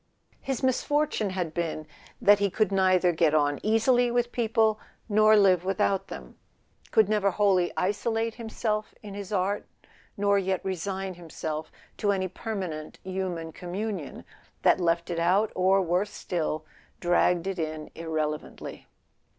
His misfortune had been that he could neither get on easily with people nor live without them; could never wholly isolate himself in his art, nor yet resign himself to any permanent human communion that left it out, or, worse still, dragged it in irrelevantly.